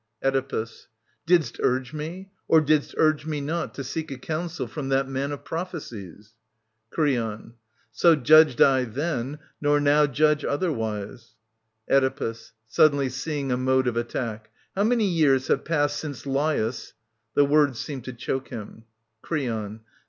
Oedipus. Didst urge me, or didst urge me not, to seek A coimsel from that man of prophecies ? Creon. So judged I then, nor now judge otherwise. Oedipus. [Suddenly seeing a mode of attack. ^ How many years have passed since Lalus ... [The words seem to choke him. / Creon.